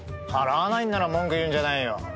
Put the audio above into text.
払わないんなら文句言うんじゃないよ。